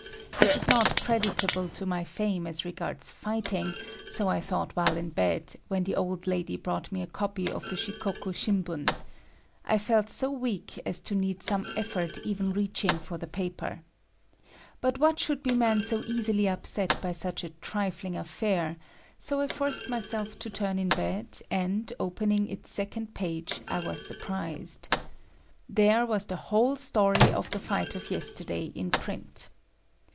This is not creditable to my fame as regards fighting, so I thought while in bed, when the old lady brought me a copy of the Shikoku Shimbun. I felt so weak as to need some effort even reaching for the paper. But what should be man so easily upset by such a trifling affair,—so I forced myself to turn in bed, and, opening its second page, I was surprised. There was the whole story of the fight of yesterday in print.